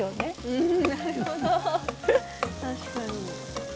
うん。